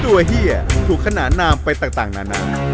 เฮียถูกขนานนามไปต่างนานา